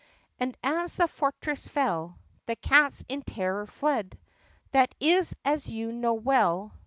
And as the fortress fell The cats in terror fled, That is, as you know well.